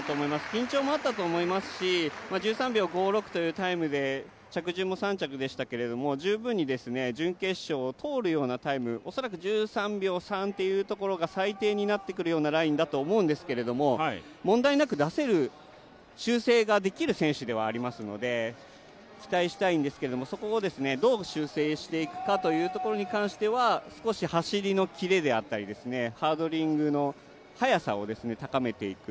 緊張もあったと思いますし１３秒５６というタイムで着順も３着でしたけれども、十分に準決勝を通るようなタイム、恐らく１３秒３というところが最低になってくるようなラインだと思うんですが、問題なく出せる、修正ができる選手ではありますので期待したいんですけれども、そこをどう修正していくかに関しては少し走りのキレであったりハードリングの速さを高めていく。